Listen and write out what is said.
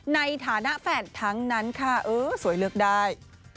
ในฐานะแฟนทั้งนั้นค่ะเออสวยเลือกได้